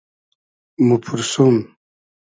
موپورسوم